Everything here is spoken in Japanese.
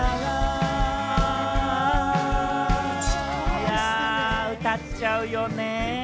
いや、歌っちゃうよね。